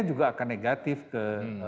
juga akan negatif ke